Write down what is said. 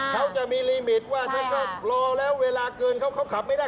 เขาจะมีลิมิตว่าเวลาเกินเขาขับไม่ได้